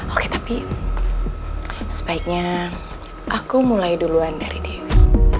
oke tapi sebaiknya aku mulai duluan dari dewi